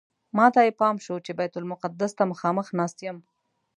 ماته یې پام شو چې بیت المقدس ته مخامخ ناست یم.